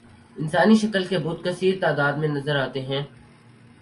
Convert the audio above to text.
انسانی شکل کے بت کثیر تعداد میں نظر آتے ہیں